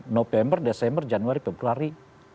november desember januari februari